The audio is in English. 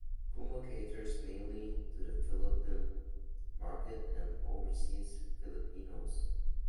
Kumu caters mainly to the Philippine market and overseas Filipinos.